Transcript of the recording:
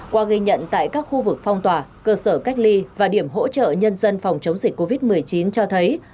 qua ghi nhận tại các khu vực phong tỏa cơ sở cách ly và điểm hỗ trợ nhân dân phòng chống dịch covid một mươi chín cho thấy